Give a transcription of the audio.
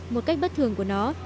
một cách bất thường của nó